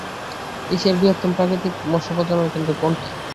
এশিয়ার বৃহত্তম প্রাকৃতিক মৎস্য প্রজনন কেন্দ্র কোনটি?